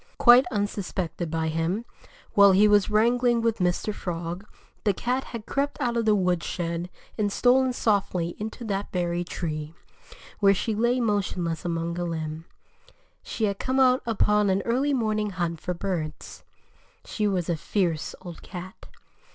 Quite unsuspected by him, while he was wrangling with Mr. Frog, the cat had crept out of the woodshed and stolen softly into that very tree, where she lay motionless along a limb. She had come out upon an early morning hunt for birds. She was a fierce old cat.